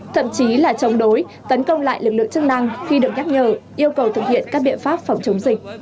thậm chí là chống đối tấn công lại lực lượng chức năng khi được nhắc nhở yêu cầu thực hiện các biện pháp phòng chống dịch